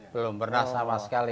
belum pernah sama sekali